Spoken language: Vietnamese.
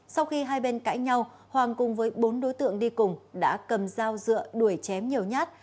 sau khi hai bên cãi nhau hoàng cùng với bốn đối tượng đi cùng đã cầm dao dựa đuổi chém nhiều nhát